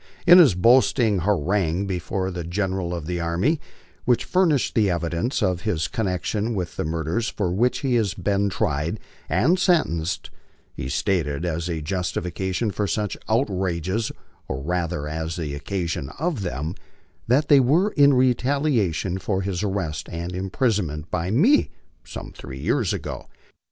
In his boasting harangue before the Gen eral of the Army, which furnished the evidence of his connection with the mur ders for which he has been tried and sentenced, he stated as a justification for such outrages, or rather as the occasion of them, that they were in retaliation for his arrest and imprisonment by me some three years ago.